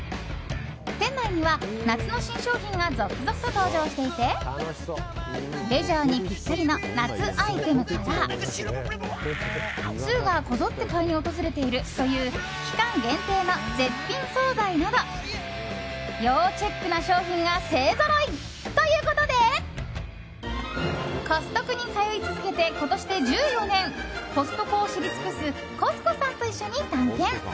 店内には夏の新商品が続々と登場していてレジャーにぴったりの夏アイテムから通がこぞって買いに訪れているという期間限定の絶品総菜など要チェックな商品が勢ぞろい。ということで、コストコに通い続けて今年で１４年コストコを知り尽くすコス子さんと一緒に探検。